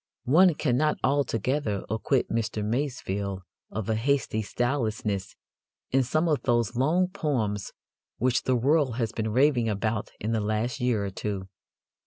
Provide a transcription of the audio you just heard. One cannot altogether acquit Mr. Masefield of a hasty stylelessness in some of those long poems which the world has been raving about in the last year or two.